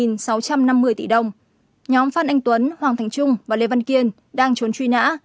nhóm phan anh tuấn hoàng thành trung và lê văn kiên đang trốn truy nã